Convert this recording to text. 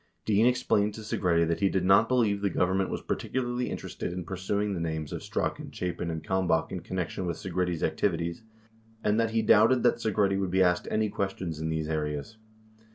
45 Dean explained to Segretti that he did not believe the Government was particularly interested in pursuing the names of Strachan, Chapin, and Kalmbach in connection with Segretti's activities, and that he doubted that Segretti would be asked any questions in these 'areas.